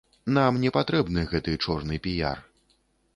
Нам не патрэбны гэты чорны піяр.